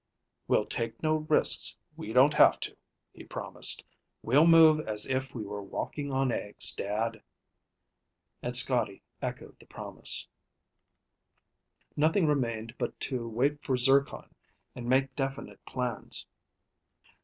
"We'll take no risks we don't have to," he promised. "We'll move as if we were walking on eggs, Dad." And Scotty echoed the promise. Nothing remained but to wait for Zircon and make definite plans.